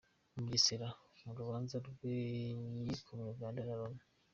Mugesera mu rubanza rwe yikomye Uganda na Loni